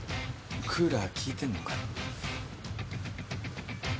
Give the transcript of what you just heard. クーラー効いてんのかな？